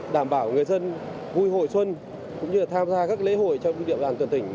đảm bảo người dân vui hội xuân cũng như tham gia các lễ hội trong địa bàn toàn tỉnh